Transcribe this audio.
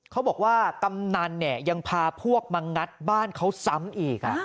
บอกว่ากำนันเนี่ยยังพาพวกมางัดบ้านเขาซ้ำอีก